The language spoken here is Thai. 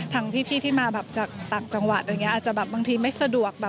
ทั้งพี่ที่มาจากต่างจังหวัดอาจจะบางทีไม่สะดวก